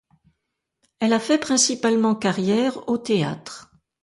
Elle a fait principalement carrière au théâtre.